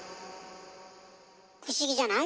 不思議じゃない？